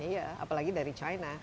ya apalagi dari china